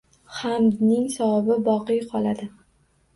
Hamdning savobi boqiy qoladi.